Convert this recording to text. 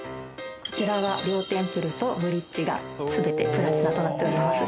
こちらは両テンプルとブリッジが全てプラチナとなっております。